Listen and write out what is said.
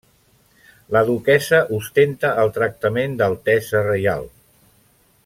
La duquessa ostenta el tractament d'altesa reial.